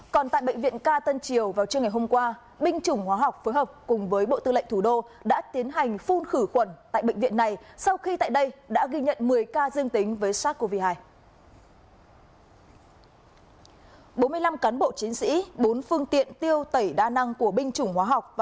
còn tại bệnh viện ca tân triều vào trưa ngày hôm qua binh chủng hóa học phối hợp cùng với bộ tư lệnh thủ đô đã tiến hành phun khử khuẩn tại bệnh viện này sau khi tại đây đã ghi nhận một mươi ca dương tính với sars cov hai